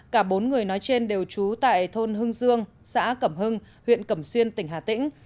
cả bốn người nói trên đều trú tại thôn hưng dương xã cẩm hưng huyện cẩm xuyên tỉnh hà tĩnh